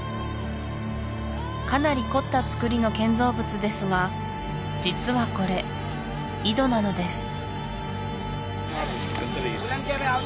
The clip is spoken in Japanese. かなり凝った造りの建造物ですが実はこれ井戸なのです